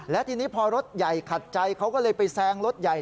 และทีนี้พอรถใหญ่ขัดใจเขาก็เลยไปแซงรถใหญ่